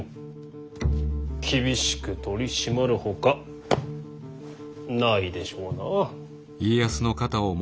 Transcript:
厳しく取り締まるほかないでしょうな。